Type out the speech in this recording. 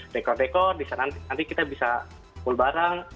dekor dekor nanti kita bisa pool bareng